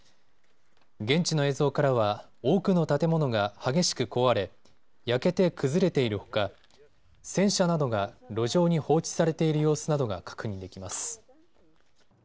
現地の映像からは多くの建物が激しく壊れ焼けて崩れているほか戦車などが路上に放置されている様子などが確認できます。